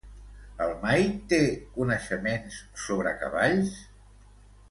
El Mike té coneixements sobre cavalls?